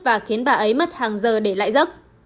và khiến bà ấy mất hàng giờ để lại giấc